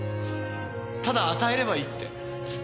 ただ与えればいいって。